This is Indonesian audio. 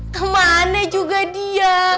kemane juga dia